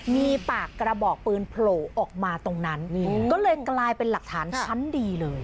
มีปากกระบอกปืนโผล่ออกมาตรงนั้นก็เลยกลายเป็นหลักฐานชั้นดีเลย